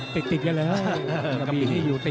ติดติดกันหรือ